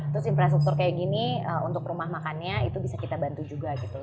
terus infrastruktur kayak gini untuk rumah makannya itu bisa kita bantu juga gitu